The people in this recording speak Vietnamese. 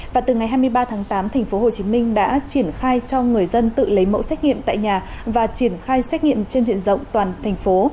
và từ ngày hai mươi ba tháng tám thành phố hồ chí minh đã triển khai cho người dân tự lấy mẫu xét nghiệm tại nhà và triển khai xét nghiệm trên diện rộng toàn thành phố